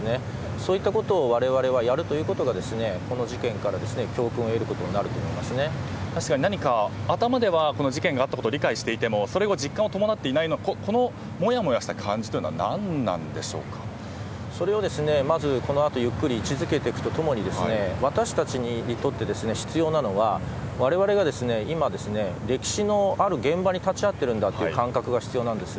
そういったことをわれわれがやるということはこの事件から何か、頭ではこの事件があったことを理解していてもそれに実感を伴っていないのはもやもやした感じというのはそれをまずこの後ゆっくり位置付けていくとともに私たちにとって必要なのは、われわれが今歴史のある現場に立ち会っているんだという感覚が必要なんです。